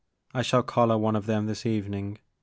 I shall collar one of them this evening.